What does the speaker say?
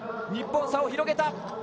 日本、差を広げた！